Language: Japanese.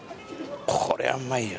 これはうまいよ。